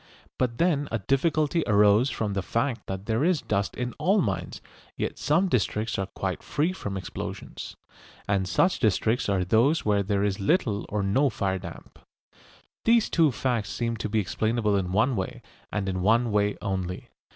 But then a difficulty arose from the fact that there is dust in all mines, yet some districts are quite free from explosions. And such districts are those where there is little or no fire damp. These two facts seem to be explainable in one way, and in one way only.